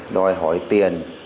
đòi hỏi tiền